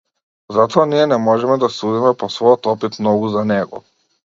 Затоа ние не можеме да судиме по својот опит многу за него.